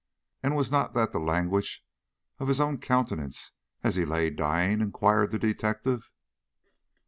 "And was not that the language of his own countenance as he lay dying?" inquired the detective.